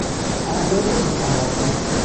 اعداد متوافق